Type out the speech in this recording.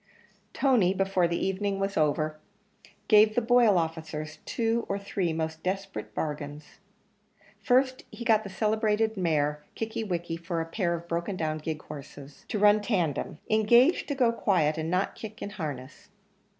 Tony, before the evening was over, gave the Boyle officers two or three most desperate bargains. First, he got the celebrated mare Kickie wickie for a pair of broken down gig horses, to run tandem: engaged to go quiet and not kick in harness.